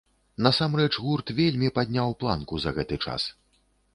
Насамрэч, гурт вельмі падняў планку за гэты час.